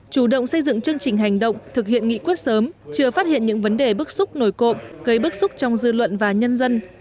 chủ động xây dựng chương trình hành động thực hiện nghị quyết sớm chưa phát hiện những vấn đề bức xúc nổi cộm gây bức xúc trong dư luận và nhân dân